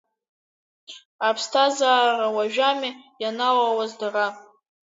Аԥсҭазаара уажәами ианалалаз дара…